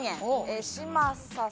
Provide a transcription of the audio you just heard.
嶋佐さん